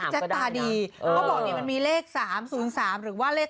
จัดตาดีก็บอกมันมีเลข๓๐๓หรือว่าเลข๓๙๓